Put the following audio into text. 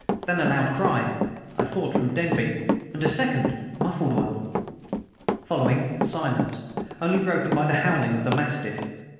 Then a loud cry I thought, from Denby and a second, muffled one. Following silence, only broken by the howling of the mastiff.